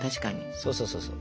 そうそうそうそう。